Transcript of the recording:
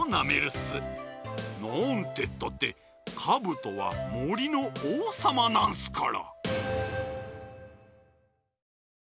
なんてったってカブトはもりのおうさまなんすから！